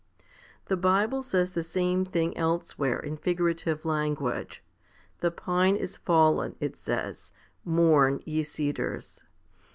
The Bible says the same thing elsewhere in figurative language. The pine is fallen, it says, mourn, ye cedars?